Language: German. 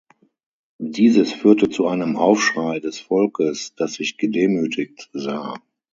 Dieses führte zu einem Aufschrei des Volkes, das sich gedemütigt sah.